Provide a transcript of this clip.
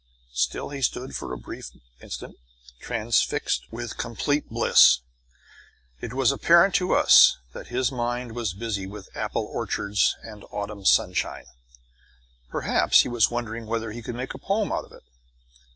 Still he stood for a brief instant, transfixed with complete bliss. It was apparent to us that his mind was busy with apple orchards and autumn sunshine. Perhaps he was wondering whether he could make a poem out of it.